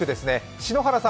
篠原さん